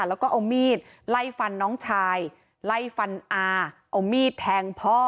แล้วก็เอามีดไล่ฟันน้องชายไล่ฟันอาเอามีดแทงพ่อ